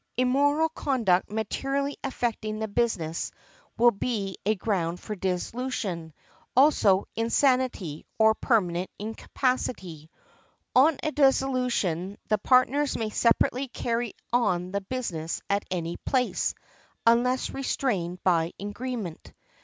Immoral conduct materially affecting the business will be a ground for dissolution; also, insanity, or permanent incapacity . On a dissolution the partners may separately carry on the business at any place, unless restrained by agreement.